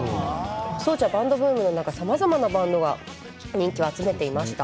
当時はバンドブームの中さまざまなバンドが人気を集めていました。